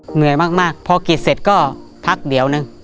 เหนื่อยมากพอกินเสร็จก็พักเดี๋ยวนึง